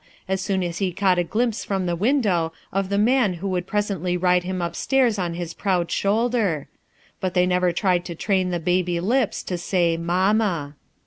as soon as he caught glimpse from the window of the man who would presently ride him upstairs on hh proud shoulder ■ but they never tried to train the baby lips to say "mamma."